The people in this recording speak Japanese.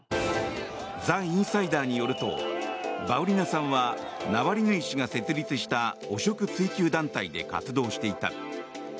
ザ・インサイダーによるとバウリナさんはナワリヌイ氏が設立した汚職追及団体で活動していた。